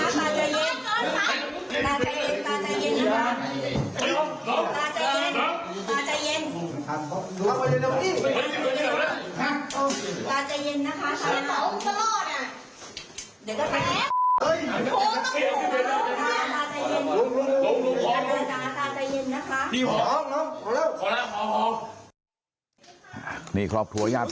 น้าสาวของน้าผู้ต้องหาเป็นยังไงไปดูนะครับ